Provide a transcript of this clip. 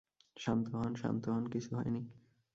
শান্ত হন, শান্ত হন, কিছু হয়নি।